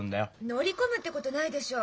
「乗り込む」ってことないでしょう。